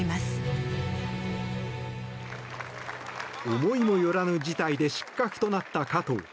思いもよらぬ事態で失格となった加藤。